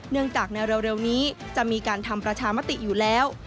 เนื่องจากในเร็วนี้จะมีการทำประชามติอยู่แล้ว